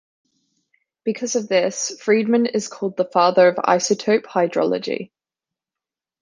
Because of this, Friedman is called the father of isotope hydrology.